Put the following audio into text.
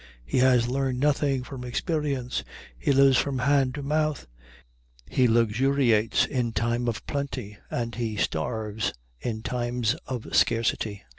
He has learned nothing from experience. He lives from hand to mouth. He luxuriates in time of plenty, and he starves in times of scarcity.